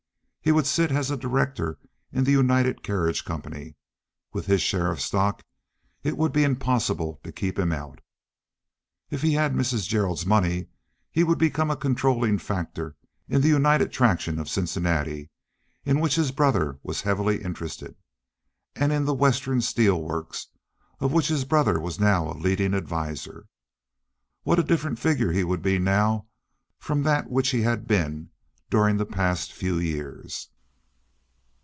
He would sit as a director in the United Carriage Company—with his share of the stock it would be impossible to keep him out. If he had Mrs. Gerald's money he would become a controlling factor in the United Traction of Cincinnati, in which his brother was heavily interested, and in the Western Steel Works, of which his brother was now the leading adviser. What a different figure he would be now from that which he had been during the past few years!